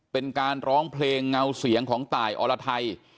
เป็นการร้องเพลงเงาเสียงของตายอรไทย